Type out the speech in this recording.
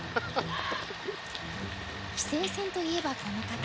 棋聖戦といえばこの方。